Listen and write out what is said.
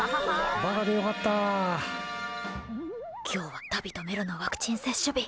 今日はタビとメロのワクチン接種日。